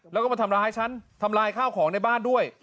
แล้วก็มาทำร้ายฉันทำลายข้าวของในบ้านด้วย